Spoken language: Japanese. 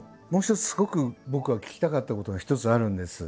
すごく僕が聞きたかったことが一つあるんです。